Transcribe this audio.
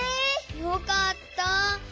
よかった。